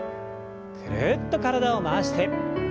ぐるっと体を回して。